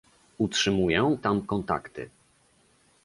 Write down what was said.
Utrzymuję tam kontakty